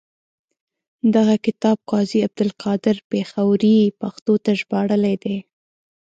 دغه کتاب قاضي عبدالقادر پیښوري پښتو ته ژباړلی دی.